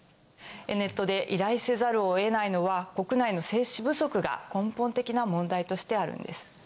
ネットで依頼せざるを得ないのは国内の精子不足が根本的な問題としてあるんです。